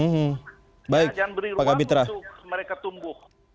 kita jangan beri ruang untuk mereka tumbuh